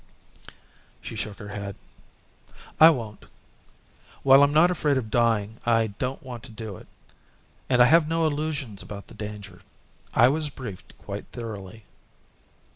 She shook her head. "I won't. While I'm not afraid of dying I don't want to do it. And I have no illusions about the danger. I was briefed quite thoroughly."